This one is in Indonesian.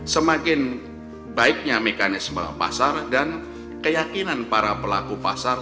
semakin baiknya mekanisme pasar dan keyakinan para pelaku pasar